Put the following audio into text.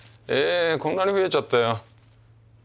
ええこんなに増えちゃったよ。